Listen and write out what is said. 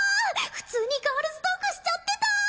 普通にガールズトークしちゃってたー！